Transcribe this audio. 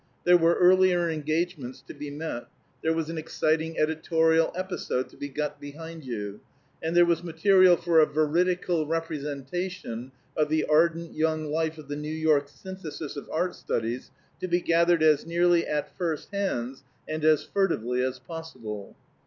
There were earlier engagements to be met; there was an exciting editorial episode to be got behind you; and there was material for a veridical representation of the ardent young life of the New York Synthesis of Art Studies to be gathered as nearly at first hands and as furtively as possible.